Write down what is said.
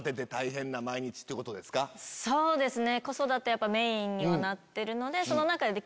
そうですね。